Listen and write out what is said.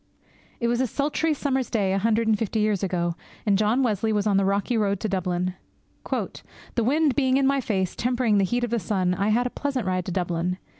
It was a sultry summer's day a hundred and fifty years ago, and John Wesley was on the rocky road to Dublin. 'The wind being in my face, tempering the heat of the sun, I had a pleasant ride to Dublin.